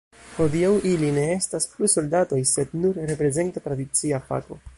Hodiaŭ ili ne estas plu soldatoj, sed nur reprezenta tradicia fako.